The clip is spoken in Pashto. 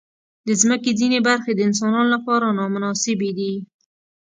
د مځکې ځینې برخې د انسانانو لپاره نامناسبې دي.